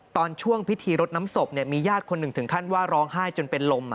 ตอนช่วงพิธีรดน้ำศพมีญาติคนหนึ่งถึงขั้นว่าร้องไห้จนเป็นลม